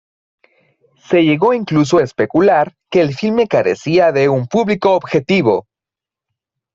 Se llegó incluso a especular que el filme carecía de un público objetivo.